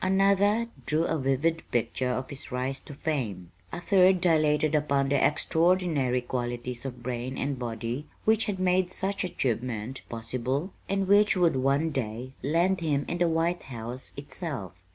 Another drew a vivid picture of his rise to fame. A third dilated upon the extraordinary qualities of brain and body which had made such achievement possible and which would one day land him in the White House itself.